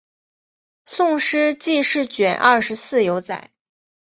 宋诗纪事卷二十四有载。